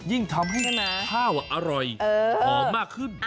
ยิ่งทำให้ข้าวอร่อยหอมมากขึ้น